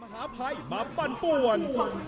ขอบคุณนะคะไม่ต้องขอบคุณ